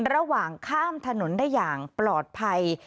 ระหว่างข้ามถนนได้อย่างปลอดภัย